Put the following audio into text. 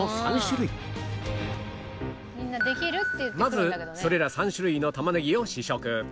まずそれら３種類の玉ねぎを試食